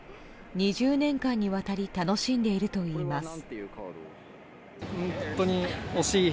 ２０年間にわたり楽しんでいるといいます。